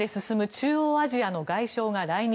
中央アジアの外相が来日。